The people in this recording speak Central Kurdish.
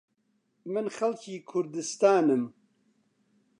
من خەڵکی کوردستانم.